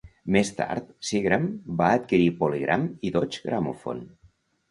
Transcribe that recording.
Més tard, Seagram va adquirir PolyGram i Deutsche Grammophon.